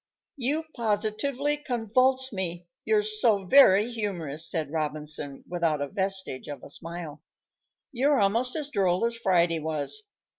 "You positively convulse me, you're so very humorous," said Robinson, without a vestige of a smile. "You're almost as droll as Friday was.